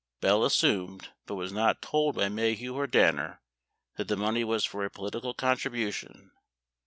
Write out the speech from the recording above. Bell assumed, but was not told by Maheu or Danner, that the money was for a political contribu tion.